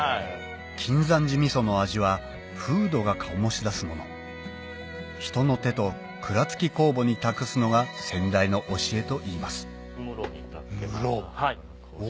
金山寺味噌の味は風土が醸し出すもの人の手と蔵付き酵母に託すのが先代の教えといいます室になってます。